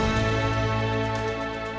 ketua ketua ketua